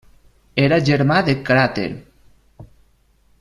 Era germà de Cràter.